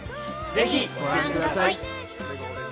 ぜひご覧ください。